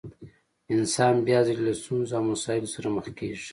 انسان بيا ځلې له ستونزو او مسايلو سره مخ کېږي.